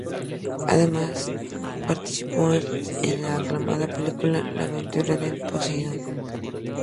Además participó en la aclamada película "La aventura del Poseidón".